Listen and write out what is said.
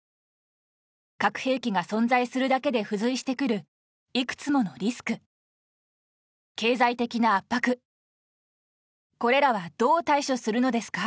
核兵器が存在するだけで付随してくるいくつものリスク経済的な圧迫これらはどう対処するのですか？